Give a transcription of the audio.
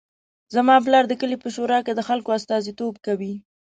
زما پلار د کلي په شورا کې د خلکو استازیتوب کوي